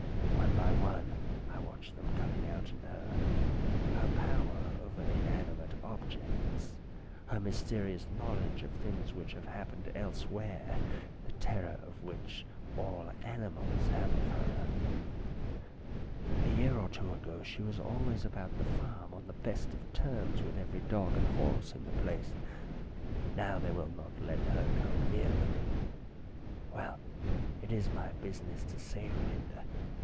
One by one I watch them coming out in her. Her power over inanimate objects, her mysterious knowledge of things which have happened elsewhere, the terror which all animals have of her. A year or two ago she was always about the farm on the best of terms with every dog and horse in the place. Now they will not let her come near them. Well, it is my business to save Linda.